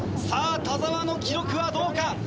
さぁ田澤の記録はどうか？